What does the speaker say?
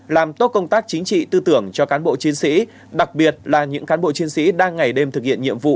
làm tốt công tác chính trị tư tưởng cho cán bộ chiến sĩ đặc biệt là những cán bộ chiến sĩ đang ngày đêm thực hiện nhiệm vụ